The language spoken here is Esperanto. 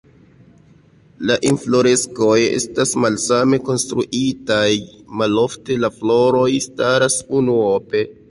La infloreskoj estas malsame konstruitaj, malofte la floroj staras unuope.